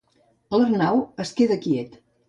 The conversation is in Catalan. L'Arnau es queda quiet.